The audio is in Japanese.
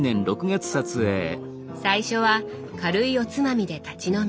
最初は軽いおつまみで立ち飲み。